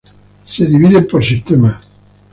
Se dividen por sistemas.